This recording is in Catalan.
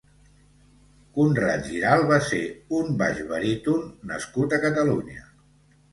Conrad Giralt va ser un baix-baríton nascut a Catalunya.